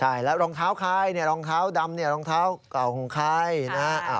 ใช่แล้วรองเท้าใครเนี่ยรองเท้าดำเนี่ยรองเท้าเก่าของใครนะฮะ